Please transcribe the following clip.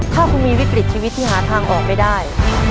ถ้าคุณมีวิกฤตชีวิตที่หาทางออกไม่ได้